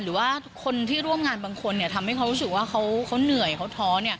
หรือว่าคนที่ร่วมงานบางคนทำให้เขารู้สึกว่าเขาเหนื่อยเขาท้อ